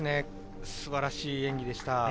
素晴らしい演技でした。